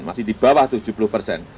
masih di bawah tujuh puluh persen